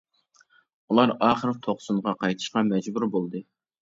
ئۇلار ئاخىر توقسۇنغا قايتىشقا مەجبۇر بولدى.